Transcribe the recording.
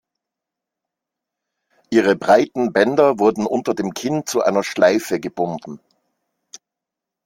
Ihre breiten Bänder wurden unter dem Kinn zu einer Schleife gebunden.